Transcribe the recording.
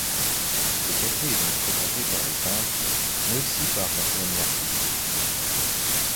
Le café est donc fréquenté par des peintres mais aussi par leurs amis artistes.